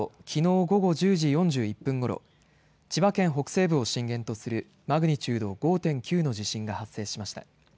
気象庁によりますときのう午後１０時４１分ごろ千葉県北西部を震源とするマグニチュード５．９の地震が発生しました。